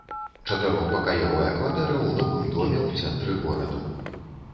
Чатырохпакаёвая кватэра ў новым доме ў цэнтры гораду.